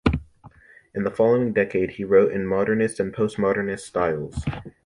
In the following decade he wrote in modernist and post-modernist styles.